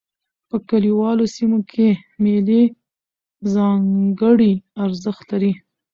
په کلیوالو سیمو کښي مېلې ځانګړی ارزښت لري.